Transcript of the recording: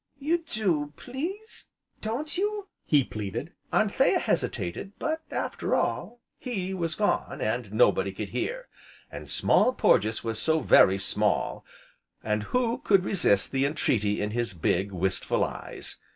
"You do, please, don't you?" he pleaded. Anthea hesitated; but, after all, He was gone, and nobody could hear; and Small Porges was so very small; and who could resist the entreaty in his big, wistful eyes?